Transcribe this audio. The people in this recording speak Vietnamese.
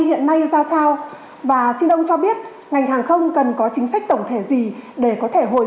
hiện nay ra sao và xin ông cho biết ngành hàng không cần có chính sách tổng thể gì để có thể hồi